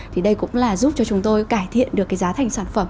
thì đây cũng là giúp cho chúng tôi cải thiện được cái giá thành sản phẩm